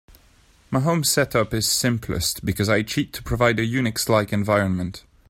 My home set up is simplest, because I cheat to provide a UNIX-like environment.